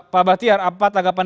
pak batiar apa tanggapan